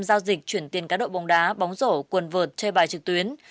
giao dịch chuyển tiền cá độ bóng đá bóng rổ quần vợt chơi bài trực tuyến